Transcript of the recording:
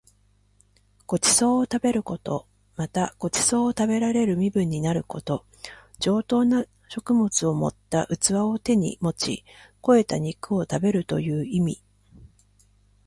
ご馳走を食べること。また、ご馳走を食べられる身分になること。上等な食物を盛った器を手に持ち肥えた肉を食べるという意味。